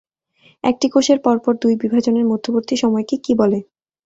একটি কোষের পরপর দুই বিভাজনের মধ্যবর্তী সময়কে কী বলে?